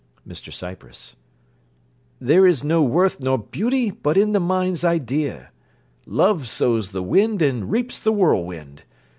MR CYPRESS There is no worth nor beauty but in the mind's idea. Love sows the wind and reaps the whirlwind.